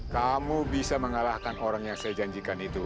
kamu bisa mengalahkan orang yang saya janjikan itu